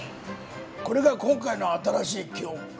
これが今回の新しい記憶か。